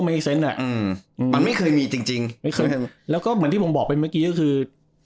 มันไม่เคยมีจริงแล้วก็เหมือนที่บอกไปเมื่อกี้คือ